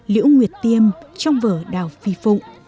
liễu nguyệt tiêm trong vở đào phi phụng